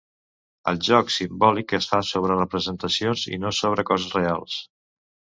El joc simbòlic es fa sobre representacions i no sobre coses reals.